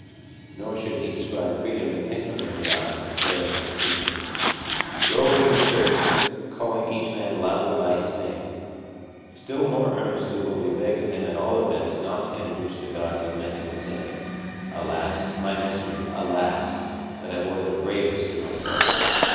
Nor should he describe Priam the kinsman of the gods as praying and beseeching, 'Rolling in the dirt, calling each man loudly by his name.' Still more earnestly will we beg of him at all events not to introduce the gods lamenting and saying, 'Alas! my misery! Alas! that I bore the bravest to my sorrow.